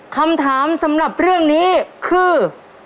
คำถามสำหรับเรื่องนี้คือ